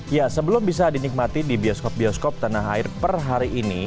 ya sebelum bisa dinikmati di bioskop bioskop tanah air per hari ini